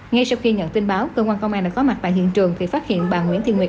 ngay sau khi nhận tin báo cơ quan công an đã có mặt tại hiện trường thì phát hiện bà nguyễn thị nguyệt